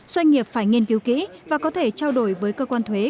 doanh nghiệp phải nghiên cứu kỹ và có thể trao đổi với cơ quan thuế